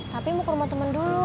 tapi mau ke rumah temen dulu